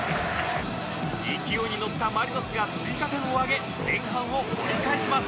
勢いにのったマリノスが追加点を挙げ前半を折り返します